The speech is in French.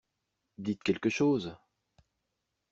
Dites quelque chose.